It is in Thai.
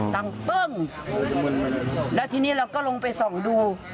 ปั้งแล้วทีนี้เราก็ลงไปส่องดู